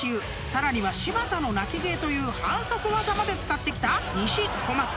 ［さらには柴田の泣き芸という反則技まで使ってきた西小松］